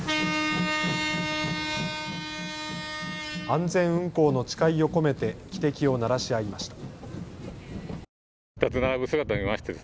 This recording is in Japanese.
安全運行の誓いを込めて汽笛を鳴らし合いました。